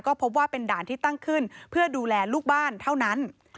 ก็พบว่าเป็นด่านที่ตั้งขึ้นเพื่อดูแลลูกบ้านเท่านั้น